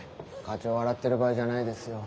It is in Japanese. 課長笑ってる場合じゃないですよ。